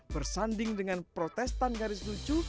bersanding dengan protestan garis lucu